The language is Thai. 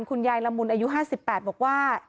คุณยายละมุนอายุ๕๘บอกว่า